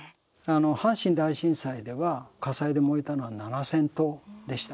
阪神大震災では、火災で燃えたのは７０００棟でした。